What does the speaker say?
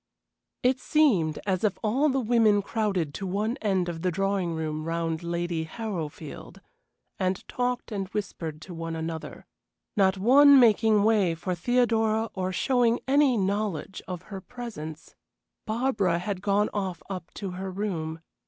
It seemed as if all the women crowded to one end of the drawing room round Lady Harrowfield, and talked and whispered to one another, not one making way for Theodora or showing any knowledge of her presence. Barbara had gone off up to her room.